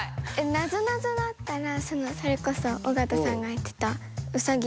なぞなぞだったらそれこそ尾形さんが言ってた確かに！